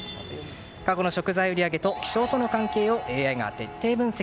過去の食材の売り上げと気象との関係をＡＩが徹底分析。